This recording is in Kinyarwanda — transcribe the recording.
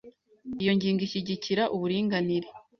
Iyi ngingo ishyigikira uburinganire